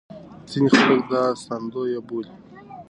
ځينې خلک دا ساتندوی بولي.